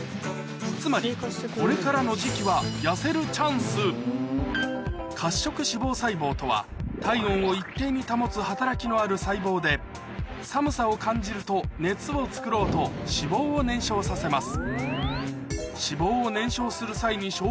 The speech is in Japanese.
つまりこれからの時期は褐色脂肪細胞とは体温を一定に保つ働きのある細胞で寒さを感じると熱を作ろうと脂肪を燃焼させます